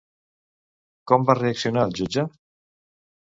Com va reaccionar el jutge?